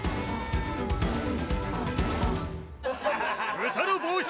「豚の帽子」